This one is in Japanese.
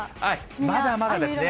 まだまだですね。